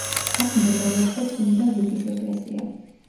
აქ მდებარეობდა წმინდა ვიტის ეკლესია.